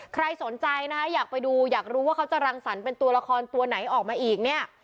ใครสนใจนะคะอยากไปดูอยากรู้ว่าเขาจะรังสรรค์เป็นตัวละครตัวไหนออกมาอีกเนี่ย